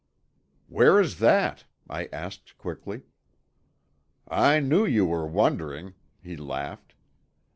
"Where is that?" I asked quickly. "I knew you were wondering," he laughed.